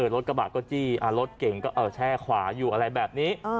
รถกระบะก็จี้รถเก่งก็แช่ขวาอยู่อะไรแบบนี้